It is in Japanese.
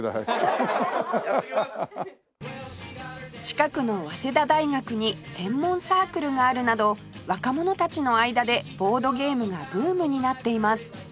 近くの早稲田大学に専門サークルがあるなど若者たちの間でボードゲームがブームになっています